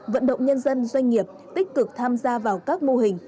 vận động nhân dân doanh nghiệp tích cực tham gia vào các mô hình